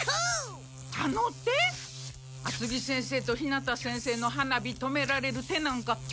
厚着先生と日向先生の花火止められる手なんかあるの？